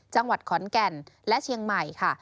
จังหวัดขอนแก่นและเชียงใหม่ค่ะ